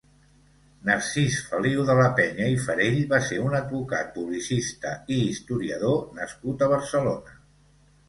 Narcís Feliu de la Penya i Farell va ser un advocat, publicista i historiador nascut a Barcelona.